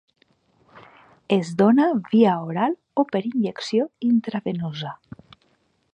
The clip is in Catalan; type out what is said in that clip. Es dóna via oral o per injecció intravenosa.